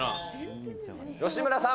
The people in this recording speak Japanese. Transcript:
吉村さん。